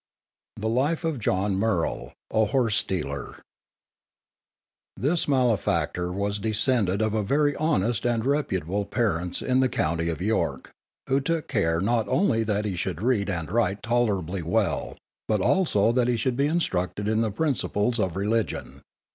The Life of JOHN MURREL, a Horse Stealer This malefactor was descended of very honest and reputable parents in the county of York, who took care not only that he should read and write tolerably well, but also that he should be instructed in the principles of religion.